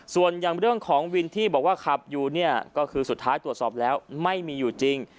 ส่วนอย่างเรื่องของวินที่บอกว่าขับอยู่เนี่ยก็คือสุดท้ายตรวจสอบแล้วไม่มีอยู่จริง